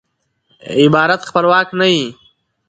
عبارت خپلواک نه يي.